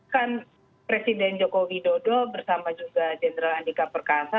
kan presiden joko widodo bersama juga jenderal andika perkasa